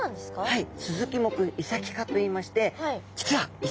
はい。